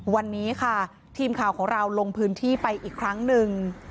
วันนี้ค่ะทีมข่าวของเราลงพื้นที่ไปอีกครั้งหนึ่ง